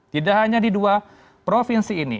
tidak hanya di dua provinsi ini